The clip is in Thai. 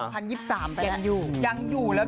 หรือ๒๐๒๓ไปแล้ว